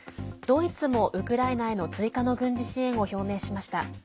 ドイツもウクライナへの追加の軍事支援を表明しました。